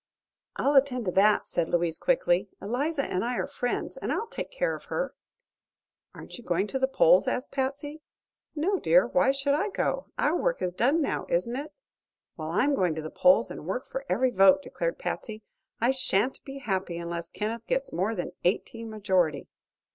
"I'll attend to that," said Louise, quickly. "Eliza and I are friends, and I'll take care of her." "Aren't you going to the polls?" asked Patsy. "No, dear; why should I go? Our work is done now, isn't it?" "Well, I'm going to the polls and work for every vote," declared Patsy. "I shan't be happy unless Kenneth gets more than eighteen majority."